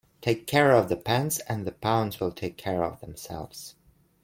Take care of the pence and the pounds will take care of themselves.